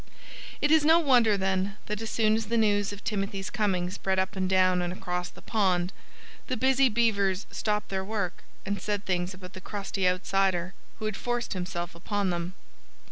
It is no wonder, then, that as soon as the news of Timothy's coming spread up and down and across the pond, the busy Beavers stopped their work and said things about the crusty outsider who had forced himself upon them.